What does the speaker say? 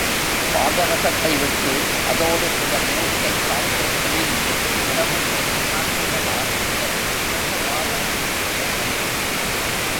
பாதரஸத்தை விட்டு, அதோடு சில மூலிகைச் சாற்றைப் பிழிந்து புடமிட்டுப் பொன்னாக்குவதால் அதற்கு ரஸவாதம் என்று பெயர் வந்தது.